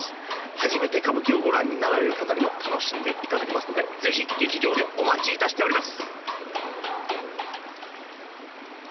初めて歌舞伎をご覧になられる方にも楽しんで頂けますのでぜひ劇場でお待ち致しております。